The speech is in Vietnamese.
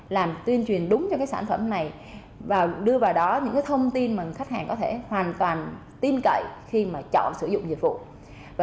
làm tuyên truyền đúng cho sản phẩm này đưa vào đó những thông tin khách hàng có thể hoàn toàn tin cậy khi chọn sử dụng dịch vụ